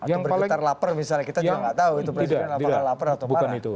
atau bergetar lapar misalnya kita juga gak tahu itu presiden lapar atau marah